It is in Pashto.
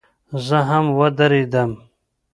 زه هم ودرېدم.